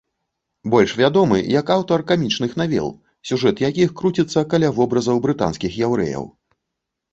Больш вядомы як аўтар камічных навел, сюжэт якіх круціцца каля вобразаў брытанскіх яўрэяў.